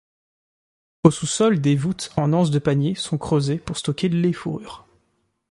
Au sous-sol, des voûtes en anse de panier sont creusées pour stocker les fourrures.